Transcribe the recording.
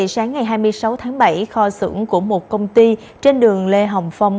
sáng ngày hai mươi sáu tháng bảy kho sử ủng của một công ty trên đường lê hồng phong